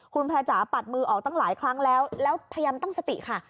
คุณแพร่จ๋าปัดมือออกตั้งหลายครั้งแล้วแล้วพยายามตั้งสติค่ะ